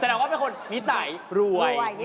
แสดงว่าเป็นคนนิสัยรวย